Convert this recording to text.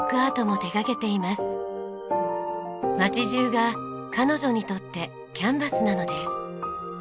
街中が彼女にとってキャンバスなのです。